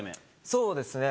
そうですね。